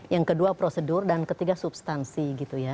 yang kedua prosedur dan ketiga substansi gitu ya